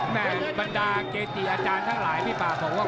บรรดาเกจิอาจารย์ทั้งหลายพี่ป่าบอกว่า